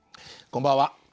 こんばんは。